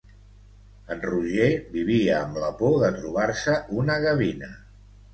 En Roger vivia amb la por de trobar-se una gavina.